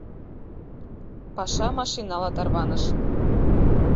Паша машинала тарваныш.